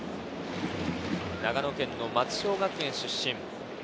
長野県の松商学園出身。